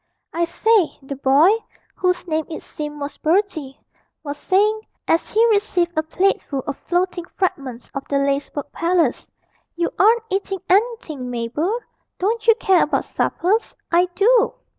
'I say,' the boy (whose name, it seemed, was Bertie) was saying, as he received a plateful of floating fragments of the lacework palace, 'you aren't eating anything, Mabel. Don't you care about suppers? I do.'